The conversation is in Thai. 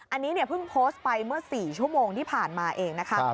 อันนี้เนี่ยเพิ่งโพสต์ไปเมื่อ๔ชั่วโมงที่ผ่านมาเองนะคะ